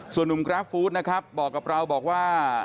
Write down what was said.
ส่วนหนุ่มกราฟฟู้ดนะครับบอกกับเราบอกว่า